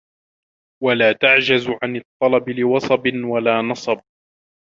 وَلَا تَعْجَزْ عَنْ الطَّلَبِ لِوَصَبٍ وَلَا نَصَبٍ